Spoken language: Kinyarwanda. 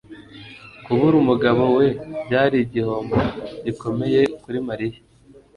Kubura umugabo we byari igihombo gikomeye kuri Mariya